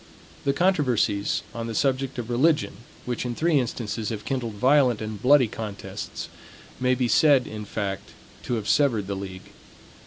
The controversies on the subject of religion, which in three instances have kindled violent and bloody contests, may be said, in fact, to have severed the league.